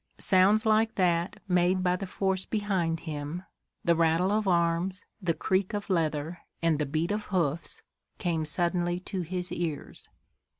Sounds like that made by the force behind him, the rattle of arms, the creak of leather and the beat of hoofs, came suddenly to his ears.